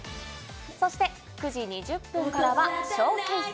そして９時２０分からはＳＨＯＷＣＡＳＥ。